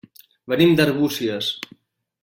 Venim d'Arbúcies.